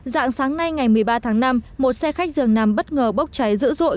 dạng sáng nay ngày một mươi ba tháng năm một xe khách dường nằm bất ngờ bốc cháy dữ dội